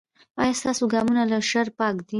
ایا ستاسو ګامونه له شر پاک دي؟